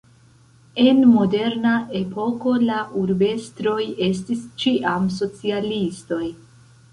En moderna epoko la urbestroj estis ĉiam socialistoj.